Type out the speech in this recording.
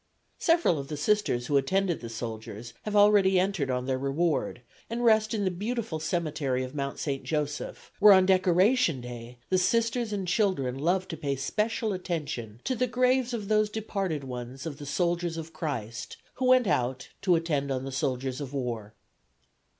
Several of the Sisters who attended the soldiers have already entered on their reward, and rest in the beautiful cemetery of Mt. St. Joseph, where on Decoration Day the Sisters and children love to pay special attention to the graves of those departed ones "of the Soldiers of Christ who went out to attend on the soldiers of war."